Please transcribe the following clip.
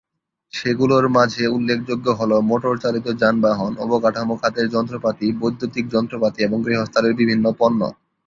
সেগুলোর মাঝে উল্লেখযোগ্য হল; মোটর চালিত যানবাহন, অবকাঠামো খাতের যন্ত্রপাতি, বৈদ্যুতিক যন্ত্রপাতি এবং গৃহস্থালির বিভিন্ন পণ্য।